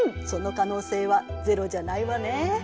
その可能性はゼロじゃないわね。